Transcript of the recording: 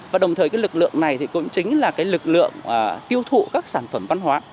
và đồng thời lực lượng này cũng chính là lực lượng tiêu thụ các sản phẩm văn hóa